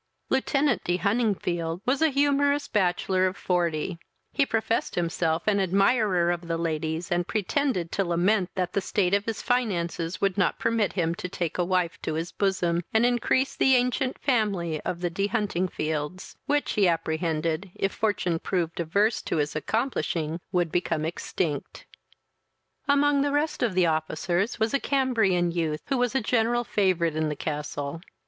Lieutenant de Huntingfield was a Humourous bachelor of forty: he professed himself an admirer of the ladies, and pretended to lament that the state of his finances would not permit him to take a wife to his bosom, and increase the ancient family of the De Huntingfields, which, he apprehended, if fortune proved averse to his accomplishing, would become extinct. Among the rest of the officers was a Cambrian youth, who was a general favourite in the castle.